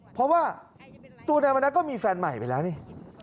เพราะว่าตัวนายมณัฐก็มีแฟนใหม่ไปแล้วนี่